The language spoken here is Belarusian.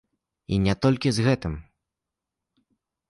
І не толькі з гэтым.